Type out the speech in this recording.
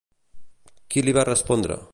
Qui li va respondre?